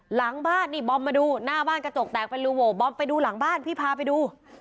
หลังบ้านนี่บอมมาดูหน้าบ้านกระจกแตกเป็นรูโหวบอมไปดูหลังบ้านพี่พาไปดู